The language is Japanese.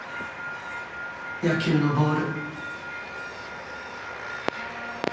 野球のボール。